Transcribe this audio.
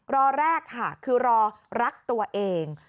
รอแรกค่ะคือรอรักตัวเอง